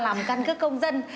làm căn cứ công dân